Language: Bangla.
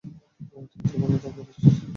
ঠিক তখনই তারা বাইরে দৃষ্টান্ত হতে পারবে।